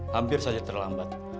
hampir saja terlambat